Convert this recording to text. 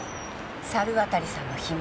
猿渡さんの秘密。